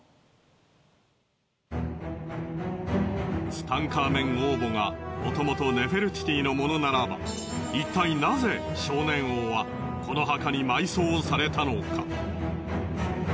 ツタンカーメン王墓がもともとネフェルティティのものならばいったいなぜ少年王はこの墓に埋葬されたのか。